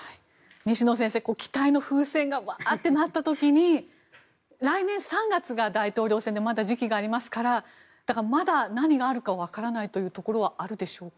西野先生、期待の風船がワーッとなった時に来年３月が大統領選でまだ時期がありますからまだ何があるかわからないというところはあるでしょうか。